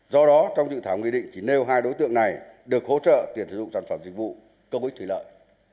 do đó trong dự thảo nghị định chỉ nêu hai đối tượng này được hỗ trợ tiền sử dụng sản phẩm dịch vụ công ích thủy lợi